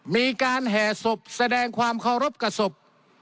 แห่ศพแสดงความเคารพกับศพ